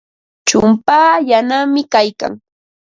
Chumpaa yanami kaykan.